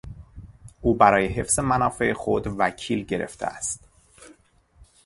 او برای حفظ منافع خود وکیل گرفته است.